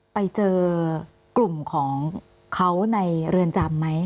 ไปเจอกลุ่มของเขาในเรือนจำไหม